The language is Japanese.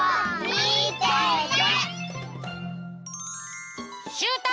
みてて。